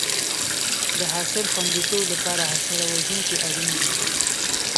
د حاصل خوندیتوب لپاره حشره وژونکي اړین دي.